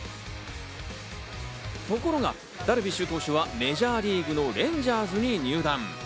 ところが、ダルビッシュ投手はメジャーリーグのレンジャーズに入団。